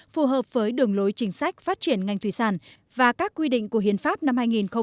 phù hợp với đường lối chính sách phát triển ngành thủy sản và các quy định của hiến pháp năm hai nghìn một mươi ba